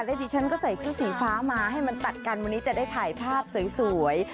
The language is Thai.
แล้วดิฉันก็ใส่ชุดสีฟ้ามาให้มันตัดกันวันนี้จะได้ถ่ายภาพสวย